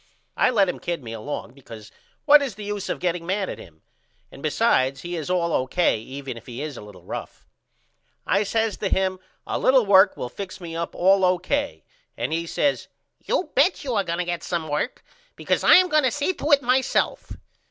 I let him kid me along because what is the use of getting mad at him? And besides he is all O.K. even if he is a little rough. I says to him A little work will fix me up all O.K. and he says You bet you are going to get some work because I am going to see to it myself.